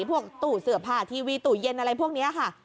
ตู้เสื้อผ้าทีวีตู้เย็นอะไรพวกนี้ค่ะ